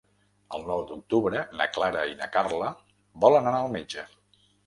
El nou d'octubre na Clara i na Carla volen anar al metge.